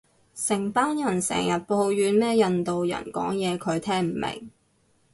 成班人成人抱怨咩印度人講嘢佢聽唔明